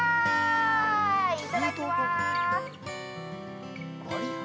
いただきます。